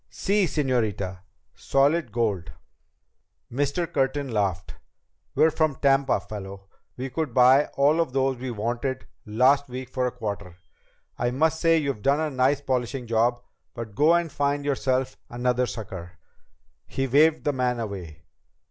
"Sí, señorita. Solid gold." Mr. Curtin laughed. "We're from Tampa, fellow. We could buy all of those we wanted last week for a quarter. I must say you've done a nice polishing job. But go and find yourself another sucker." He waved the man away.